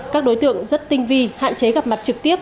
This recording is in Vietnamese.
các đối tượng rất tinh vi hạn chế gặp mặt trực tiếp